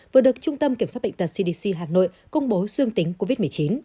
vừa được trung tâm kiểm soát bệnh tật cdc hà nội công bố dương tính covid một mươi chín